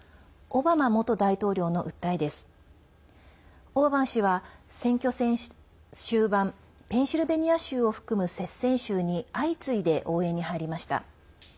オバマ氏は選挙戦終盤ペンシルベニア州を含む接戦州に相次いで応援に入りました。